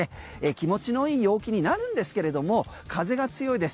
気持ちのよい陽気になるんですけれども風が強いです。